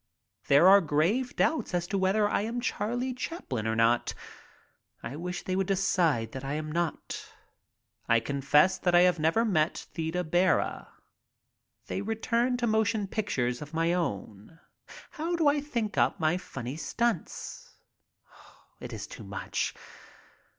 There are grave doubts as to whether I am Charlie Chaplin or not. I wish they would decide that I am not. I confess that I have never met Theda Bara. They return to motion pictures of my own. How do I think up my funny stunts? It is too much.